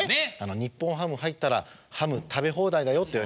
「日本ハム入ったらハム食べ放題だよ」って言われて。